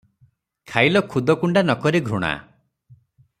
ଖାଇଲ ଖୁଦକୁଣ୍ଡା ନକରି ଘୃଣା